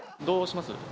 どうします？